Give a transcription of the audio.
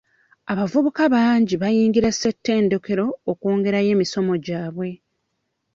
Abavubuka bangi bayingira ssetendekero okwongerayo emisomo gyabwe.